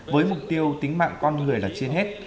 với mục tiêu tính mạng con người là trên hết